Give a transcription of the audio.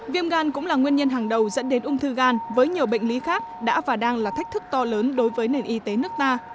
viêm gan cũng là nguyên nhân hàng đầu dẫn đến ung thư gan với nhiều bệnh lý khác đã và đang là thách thức to lớn đối với nền y tế nước ta